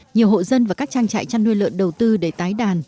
nhiều hộ dân và các trang trại chăn nuôi lợn đầu tư để tái đàn